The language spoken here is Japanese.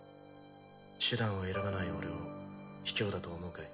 手段を選ばない俺を卑怯だと思うかい？